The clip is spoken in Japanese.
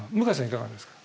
いかがですか？